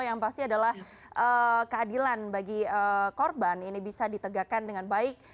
yang pasti adalah keadilan bagi korban ini bisa ditegakkan dengan baik